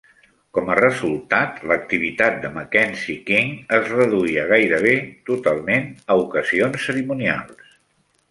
Com a resultat, l'activitat de Mackenzie King es reduïa gairebé totalment a ocasions cerimonials.